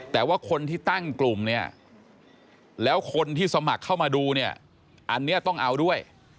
แต่ว่าคนที่ตั้งกลุ่มเนี่ยแล้วคนที่สมัครเข้ามาดูเนี่ยอันนี้ต้องเอาด้วย